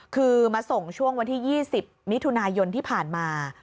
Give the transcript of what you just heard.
คือมาส่งช่วงวันที่๒๐มิถุนายนที่ผ่านมา